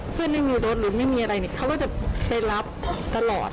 เพื่อนไม่มีโรทหรือไม่มีอะไรนี่เขาก็จะไปรับตลอด